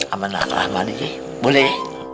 abang nakalah balik ye boleh